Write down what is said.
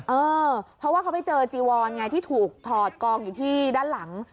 เออเพราะว่าเขาไปเจอจีวอนไงที่ถูกถอดกองอยู่ที่ด้านหลัง